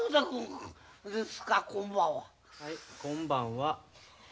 はいこんばんは。